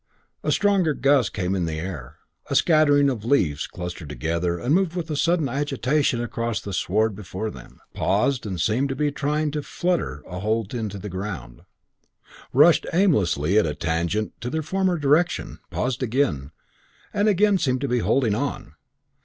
A stronger gust came in the air. A scattering of leaves clustered together and moved with sudden agitation across the sward before them; paused and seemed to be trying to flutter a hold into the ground; rushed aimlessly at a tangent to their former direction; paused again; and again seemed to be holding on.